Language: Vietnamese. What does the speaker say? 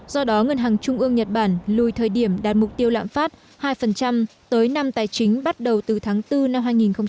do đó ngân hàng trung ương nhật bản lùi thời điểm đạt mục tiêu lạm phát hai tới năm tài chính bắt đầu từ tháng bốn năm hai nghìn hai mươi